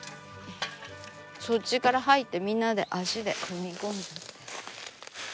そっちから入ってみんなで足で踏み込む。